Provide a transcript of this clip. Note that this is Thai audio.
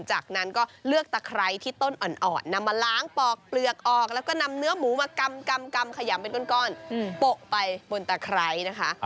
จากนั้นก็เลือกตะไคร้ที่ต้นอ่อนนำมาล้างปอกเปลือกออกแล้วก็นำเนื้อหมูมากำขยำเป็นก้อนโปะไปบนตะไคร้นะคะ